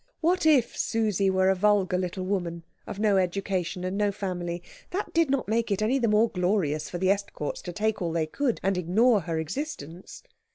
What if Susie were a vulgar little woman of no education and no family? That did not make it any the more glorious for the Estcourts to take all they could and ignore her existence.